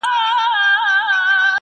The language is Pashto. • بې خبره د ښاریانو له دامونو.